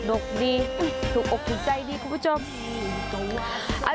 ออกออกดกดีถูกออกถูกใจดีพระพุทธเจ้า